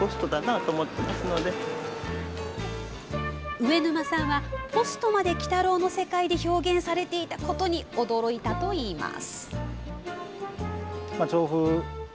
上沼さんはポストまで、鬼太郎の世界で表現されていたことに驚いたと言います。